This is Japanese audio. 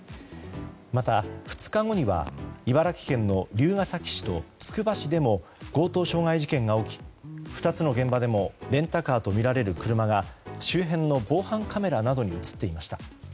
また、２日後には茨城県の龍ケ崎市とつくば市でも強盗傷害事件が起き２つの現場でもレンタカーとみられる車が周辺の防犯カメラなどに映っていました。